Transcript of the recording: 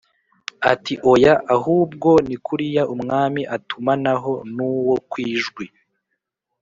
ati"oya ahubwo nikuriya umwami atumanaho nuwo kwijwi